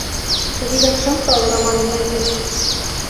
— Вигак шым пале, Роман Игнатьевич.